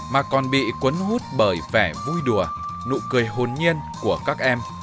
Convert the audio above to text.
mà còn bị quấn hút bởi vẻ vui đùa nụ cười hồn nhiên của các em